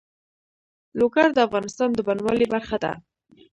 لوگر د افغانستان د بڼوالۍ برخه ده.